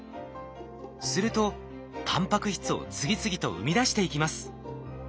するとタンパク質を次々と生み出していきます。